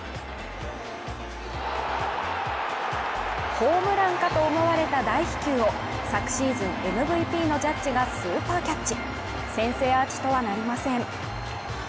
ホームランかと思われた大飛球を昨シーズンＭＶＰのジャッジがスーパーキャッチ先制アーチとはなりません。